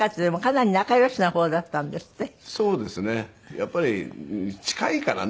やっぱり近いからね。